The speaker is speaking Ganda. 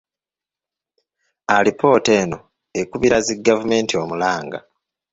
Alipoota eno ekubira zi gavumenti omulanga.